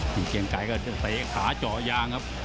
ดูเกงไก่ก็จะเตะขาจอยางครับ